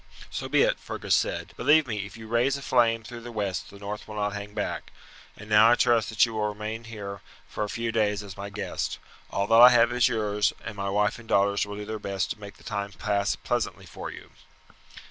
"So be it!" Fergus said. "Believe me, if you raise a flame through the west the north will not hang back. And now I trust that you will remain here for a few days as my guest. All that I have is yours, and my wife and daughters will do their best to make the time pass pleasantly for you."